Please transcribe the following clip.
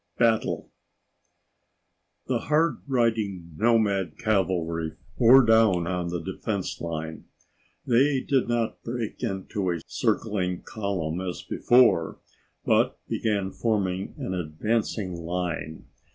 Battle The hard riding nomad cavalry bore down on the defense line. They did not break into a circling column as before, but began forming an advancing line.